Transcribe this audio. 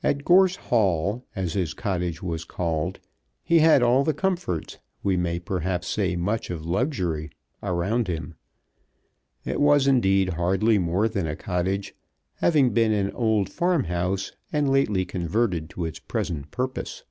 At Gorse Hall, as his cottage was called, he had all comforts, we may perhaps say much of luxury, around him. It was indeed hardly more than a cottage, having been an old farm house, and lately converted to its present purpose.